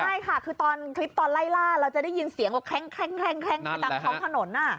ใช่ค่ะคือตอนคลิปตอนไล่ล่าเราจะได้ยินเสียงว่าแคล่งไปตามท้องถนน